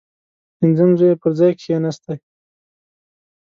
پنځم زوی یې پر ځای کښېنستی.